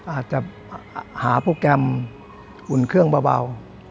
อาจจะหาโปรแกรมอุ่นเครื่องเบา